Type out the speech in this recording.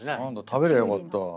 食べりゃよかった。